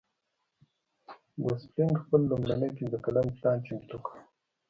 ګوسپلن خپل لومړنی پنځه کلن پلان چمتو کړ.